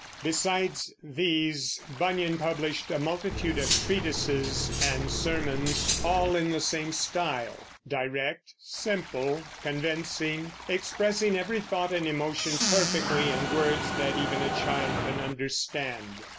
Besides these Bunyan published a multitude of treatises and sermons, all in the same style, direct, simple, convincing, expressing every thought and emotion perfectly in words that even a child can understand.